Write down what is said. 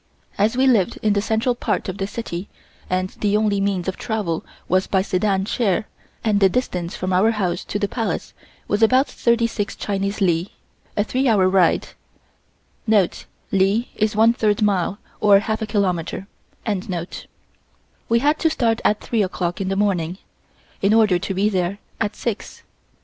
As we lived in the central part of the city and the only means of travel was by sedan chair and the distance from our house to the Palace was about thirty six Chinese li (a three hour ride), we had to start at three o'clock in the morning, in order to be there at six.